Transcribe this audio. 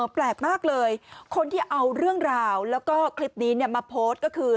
แปลกมากเลยคนที่เอาเรื่องราวแล้วก็คลิปนี้มาโพสต์ก็คือ